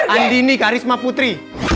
andien nih karisma putri